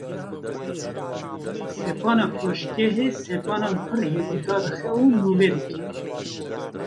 Sepana firoşgehê sepanan pir hêdî dadixe û nûve dike